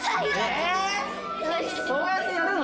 えそうやってやるの？